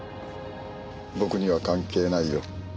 僕には関係ないよ。